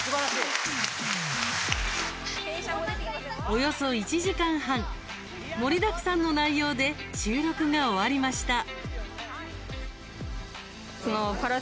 およそ１時間半盛りだくさんの内容で収録が終わりました。